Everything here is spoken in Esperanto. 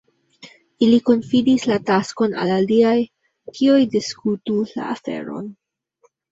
Ili konfidis la taskon al aliaj, kiuj diskutu la aferon.